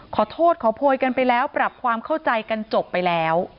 ขอโทษขอโพยกันไปแล้วปรับความเข้าใจกันจบไปแล้ว